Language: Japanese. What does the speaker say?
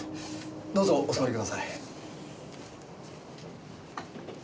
どうぞお座りください。